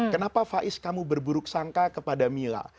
kenapa faiz kamu berburuk sangka kepada mila